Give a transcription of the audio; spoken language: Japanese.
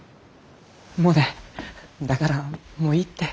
モネだからもういいって。